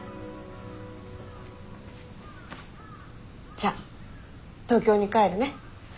じゃあ東京に帰るね。